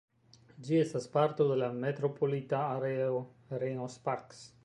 Ĝi estas parto de la metropolita areo Reno–Sparks.